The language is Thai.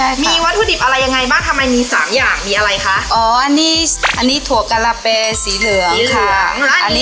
และนี่วัตถุดิบหลักที่เอาไว้ใช้ทำข้าวแรมฟืน